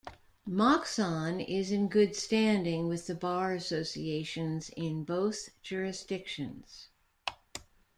Moxon is in good standing with the bar associations in both jurisdictions.